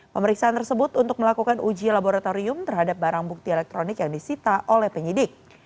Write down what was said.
pemeriksaan tersebut untuk melakukan uji laboratorium terhadap barang bukti elektronik yang disita oleh penyidik